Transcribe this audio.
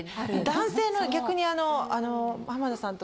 男性の逆に。